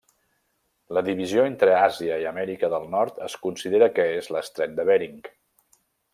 La divisió entre Àsia i Amèrica del Nord es considera que és l'Estret de Bering.